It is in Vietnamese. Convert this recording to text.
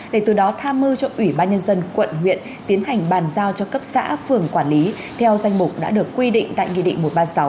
để từ đó tham mưu cho ủy ban nhân dân quận huyện tiến hành bàn giao cho cấp xã phường quản lý theo danh mục đã được quy định tại nghị định một trăm ba mươi sáu